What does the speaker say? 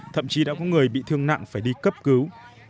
thậm chí đã có người bị thương nặng phải đi cấp cứu